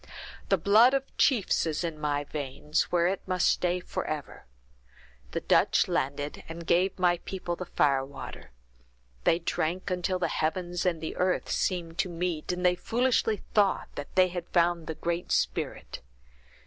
The blood of chiefs is in my veins, where it must stay forever. The Dutch landed, and gave my people the fire water; they drank until the heavens and the earth seemed to meet, and they foolishly thought they had found the Great Spirit.